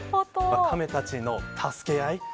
カメたちの助け合い。